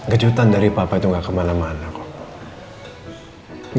kejutan dari bapak itu ga kemana mana kok